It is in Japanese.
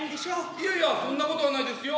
いやいや、そんなことはないですよ。